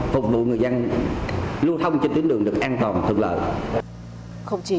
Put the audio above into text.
phục vụ người dân lưu thông trên tuyến đường được an toàn thuận lợi